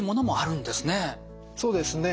そうですね。